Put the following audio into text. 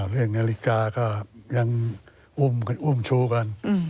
เรื่องนาฬิกาก็ยังอุ้มชูกัน